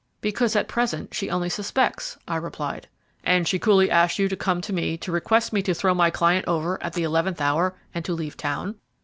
"Because at present she only suspects," I replied. "And she coolly asks you to come to me to request me to throw my client over at the eleventh hour and to leave town?"